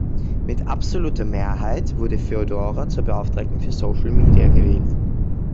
Mit absoluter Mehrheit wurde Feodora zur Beauftragten für Social Media gewählt.